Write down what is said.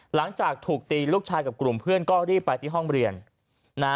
หลังจากถูกตีลูกชายกับกลุ่มเพื่อนก็รีบไปที่ห้องเรียนนะ